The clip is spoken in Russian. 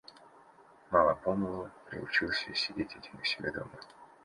Мало-помалу приучился я сидеть один у себя дома.